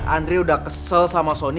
andre udah kesel sama sony